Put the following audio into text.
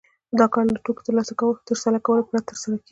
دا کار له توکو ترلاسه کولو پرته ترسره کېږي